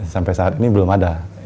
sampai saat ini belum ada